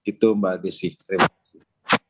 itu mbak desi terima kasih